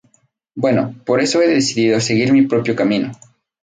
Bueno, por eso he decidido seguir mi propio camino.